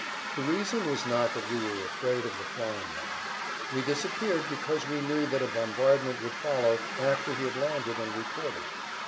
The reason was not that we were afraid of the flying man; we disappeared because we knew that a bombardment would follow after he had landed and reported.